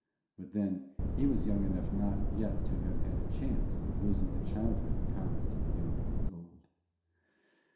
But then he was young enough not yet to have had a chance of losing the childhood common to the young and the old.